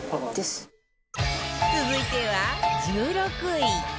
続いては１６位